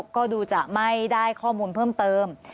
ก็ดูจะไม่ได้ข้อมูลเพิ่มเติม